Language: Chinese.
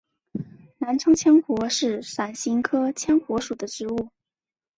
澜沧羌活是伞形科羌活属的植物。